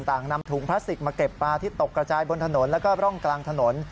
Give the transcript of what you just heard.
นำถุงพลาสติกมาเก็บปลาที่ตกกระจายบนถนนแล้วก็ร่องกลางถนน